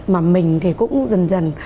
mà mình thì cũng dần dần